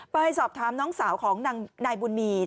ไปสอบถามน้องสาวของนายบุญมี